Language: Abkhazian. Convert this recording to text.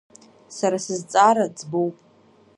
Сара сызҵаара ӡбоуп.